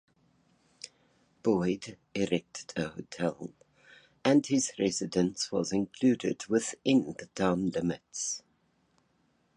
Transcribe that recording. Boyd erected a hotel and his residence was included within the town limits.